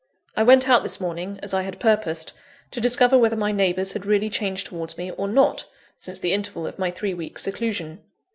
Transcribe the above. I went out this morning, as I had purposed, to discover whether my neighbours had really changed towards me, or not, since the interval of my three weeks' seclusion.